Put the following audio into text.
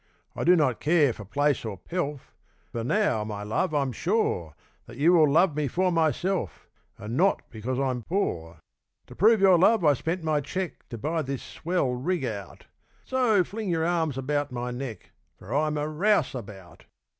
I do not care for place or pelf, For now, my love, I'm sure That you will love me for myself And not because I'm poor. 'To prove your love I spent my cheque To buy this swell rig out; So fling your arms about my neck For I'm a rouseabout!